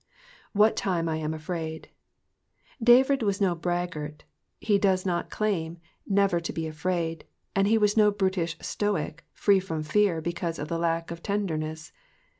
*^W7uU time I am afraid^ David was no braggart, he does not claim never to be afraid, and he was no brutish Stoic free from fear because of the lack of tenderness.